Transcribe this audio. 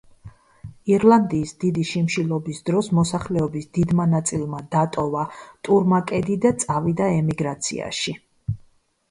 ირლანდიის დიდი შიმშილობის დროს მოსახლეობის დიდმა ნაწილმა დატოვა ტურმაკედი და წავიდა ემიგრაციაში.